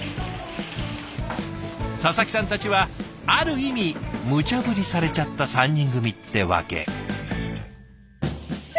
佐々木さんたちはある意味むちゃぶりされちゃった３人組ってわけ。